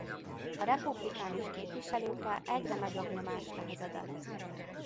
A republikánus képviselőkre egyre nagyobb nyomás nehezedett.